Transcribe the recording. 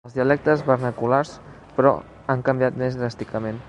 Els dialectes vernaculars, però, han canviat més dràsticament.